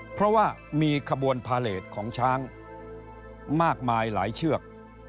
เพราะว่ามีขบวนพาเลสของช้างมากมายหลายเชือก